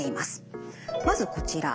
まずこちら。